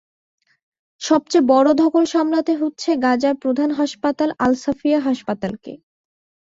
সবচেয়ে বড় ধকল সামলাতে হচ্ছে গাজার প্রধান হাসপাতাল আল সাফিয়া হাসপাতালকে।